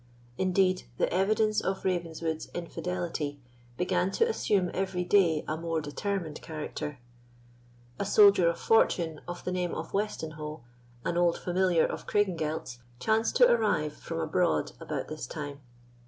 Indeed, the evidence of Ravenswood's infidelity began to assume every day a more determined character. A soldier of fortune, of the name of Westenho, an old familiar of Craigengelt's, chanced to arrive from abroad about this time.